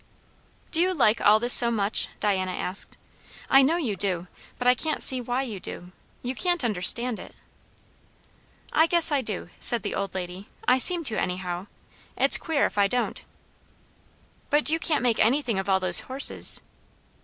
"Do you like all this so much?" Diana asked. "I know you do; but I can't see why you do. You can't understand it." "I guess I do," said the old lady. "I seem to, anyhow. It's queer if I don't." "But you can't make anything of all those horses?"